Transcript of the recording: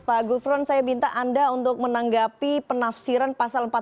pak gufron saya minta anda untuk menanggapi penafsiran pasal empat puluh